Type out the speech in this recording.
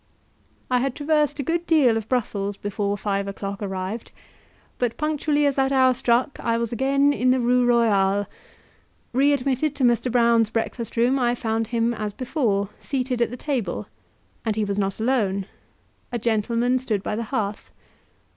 I had traversed a good deal of Brussels before five o'clock arrived, but punctually as that hour struck I was again in the Rue Royale. Re admitted to Mr. Brown's breakfast room, I found him, as before, seated at the table, and he was not alone a gentleman stood by the hearth.